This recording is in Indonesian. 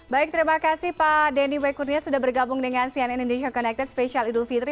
baik terima kasih pak denny wekurnia sudah bergabung dengan cnn indonesia connected spesial idul fitri